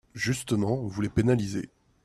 Justement, vous les pénalisez